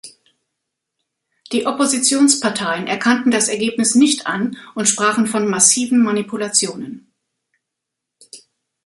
Die Oppositionsparteien erkannten das Ergebnis nicht an und sprachen von massiven Manipulationen.